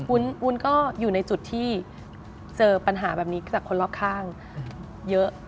วุ้นก็อยู่ในจุดที่เจอปัญหาแบบนี้จากคนรอบข้างเยอะ